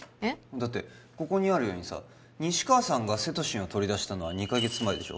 だってここにあるようにさ西川さんがセトシンを取り出したのは２カ月前でしょ